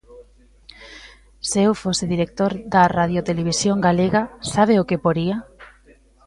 Se eu fose director da Radiotelevisión Galega, ¿sabe o que poría?